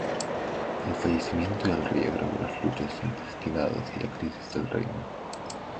El fallecimiento del rey agravó las luchas intestinas y la crisis del reino.